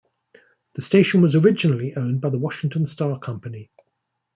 The station was originally owned by the Washington Star Company.